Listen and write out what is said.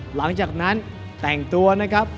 หลังจากนั้นแต่งตัวนะครับ